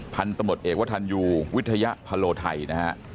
พันธุ์ตะหมดเอกวทันยูวิทยาภรโทไทยนะครับ